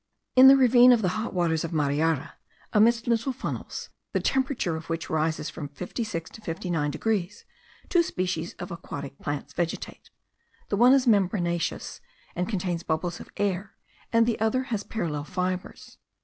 In the ravine of the hot waters of Mariara, amidst little funnels, the temperature of which rises from 56 to 59 degrees, two species of aquatic plants vegetate; the one is membranaceous, and contains bubbles of air; the other has parallel fibres.